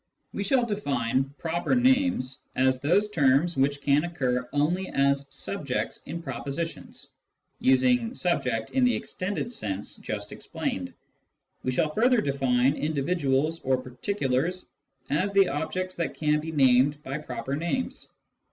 We shall define " proper names " as those terms which can only occur as subjects in propositions (using " subject " in the extended sense just explained). We shall further define " individuals " or " particulars " as the objects that can be named by proper names.